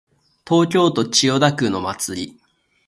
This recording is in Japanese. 東京都千代田区のお祭り